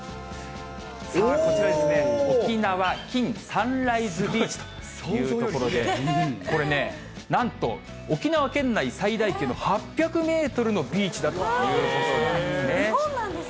さあ、こちらですね、沖縄キンサンライズビーチという所で、これね、なんと沖縄県内最大級の８００メートルのビーチだということなんですね。